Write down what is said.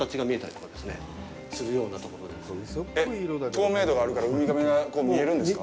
透明度があるからウミガメが見えるんですか。